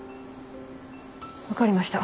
分かりました。